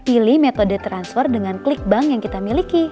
pilih metode transfer dengan klik bank yang kita miliki